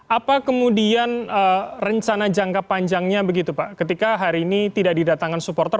apa kemudian rencana jangka panjangnya begitu pak ketika hari ini tidak didatangkan supporter